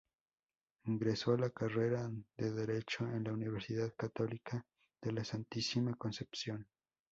Ingresó a la carrera de derecho en la Universidad Católica de la Santísima Concepción.